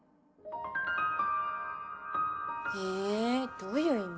えどういう意味？